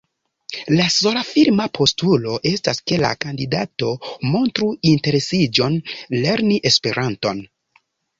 La sola firma postulo estas, ke la kandidato “montru interesiĝon lerni Esperanton”.